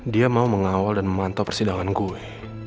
dia mau mengawal dan memantau persidangan kue